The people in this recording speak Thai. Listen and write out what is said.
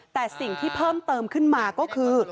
แต่สิ่งที่เพิ่มเติมขึ้นมาก็คือ